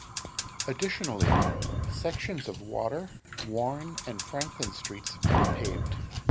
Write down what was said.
Additionally, sections of Water, Warren and Franklin Streets were paved.